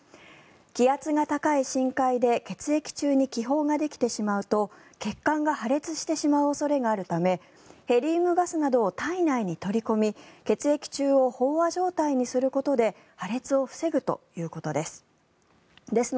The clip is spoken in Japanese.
気圧が高い深海で血液中に気泡ができてしまうと血管が破裂してしまう恐れがあるためヘリウムガスなどを体内に取り込み血液中を飽和状態にすることで破裂を防ぐということです。